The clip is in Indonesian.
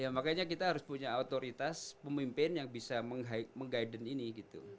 makanya kita harus punya otoritas pemimpin yang bisa meng guidance ini gitu